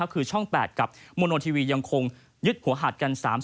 คือช่อง๘กับโมโนทีวียังคงยึดหัวหาดกัน๓๐